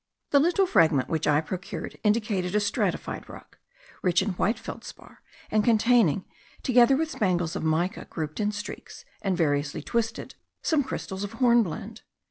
The little fragment which I procured indicated a stratified rock, rich in white feldspar, and containing, together with spangles of mica, grouped in streaks, and variously twisted, some crystals of hornblende.